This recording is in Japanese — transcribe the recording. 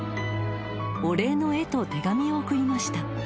［お礼の絵と手紙を送りました］